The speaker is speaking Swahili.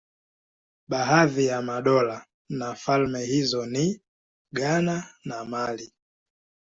Baadhi ya madola na falme hizo ni Ghana na Mali.